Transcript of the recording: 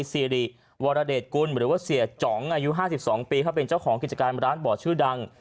สิริวรเดชกุลหรือว่าเสียจ๋องอายุ๕๒ปีเขาเป็นเจ้าของกิจการร้านบ่อชื่อดัง